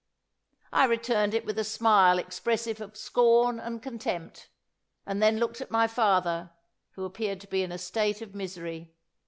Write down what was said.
I returned it with a smile expressive of scorn and contempt, and then looked at my father, who appeared to be in a state of misery.